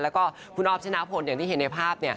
แล้วก็คุณออฟชนะพลอย่างที่เห็นในภาพ